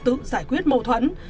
tự giải quyết mâu thuẫn